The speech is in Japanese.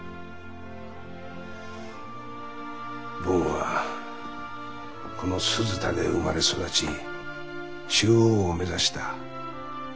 ボンはこの鈴田で生まれ育ち中央を目指した。